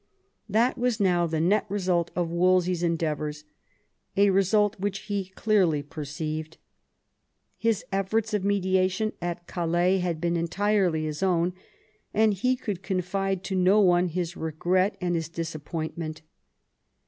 This was now the net result of Wolsey's endeavours, a result which he clearly perceived. His efforts of mediation at Calais had been entirely his own, and he could confide to no one his regret and his disappointment.